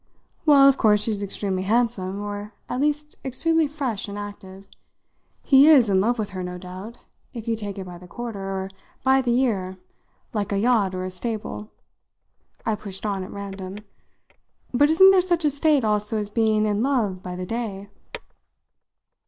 "Well, of course she's extremely handsome or at least extremely fresh and attractive. He is in love with her, no doubt, if you take it by the quarter, or by the year, like a yacht or a stable," I pushed on at random. "But isn't there such a state also as being in love by the day?"